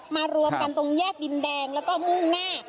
รวมกันตรงแยกดินแดงแล้วก็มุ่งหน้า